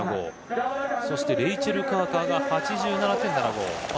そしてレイチェル・カーカーが８７．７５。